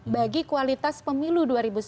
bagi kualitas pemilu